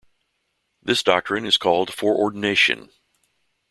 This doctrine is called "foreordination".